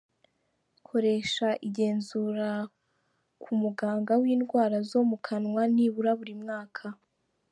Koresha igenzura ku muganga w’indwara zo mu kanwa nibura buri mwaka.